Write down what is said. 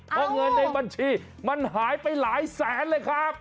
เพราะเงินในบัญชีมันหายไปหลายแสนเลยครับ